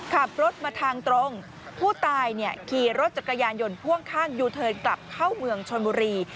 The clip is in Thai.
ขับรถมาทางตรงผู้ตายเนี่ยขี่รถจักรยานยนต์พ่วงข้างยูเทิร์นกลับเข้าเมืองชนบุรี